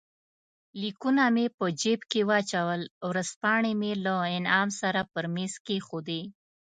لیکونه مې په جېب کې واچول، ورځپاڼې مې له انعام سره پر مېز کښېښودې.